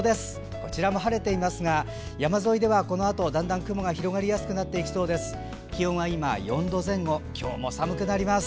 こちらも晴れていますが山沿いでは、このあとだんだん雲が広がりやすくなっていきそうです。